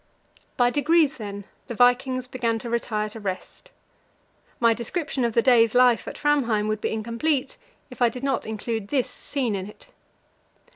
By degrees, then, the vikings began to retire to rest. My description of the day's life at Framheim would be incomplete if I did not include this scene in it.